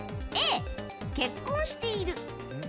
Ａ、結婚している。